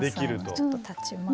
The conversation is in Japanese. ちょっと立ちます。